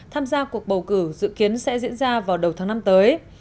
tham gia cuộc bầu cử dự kiến sẽ diễn ra vào đầu tháng năm tới